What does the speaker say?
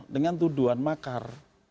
dengan tuduhan makar